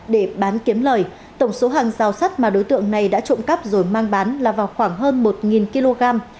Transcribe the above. để bán kiếm lời tổng số hàng giao sắt mà đối tượng này đã trộm cắp rồi mang bán là vào khoảng hơn một kg